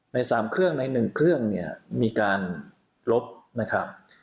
ใน๓เครื่องใน๑เครื่องเนี่ยมีการลบนะครับ